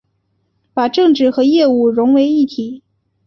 把政治和业务融为一体